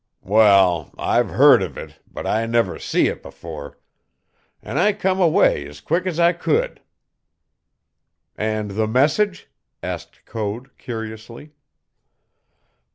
"Wal, I've heard of it, but I never see it before; an' I come away as quick as I could." "And the message?" asked Code curiously.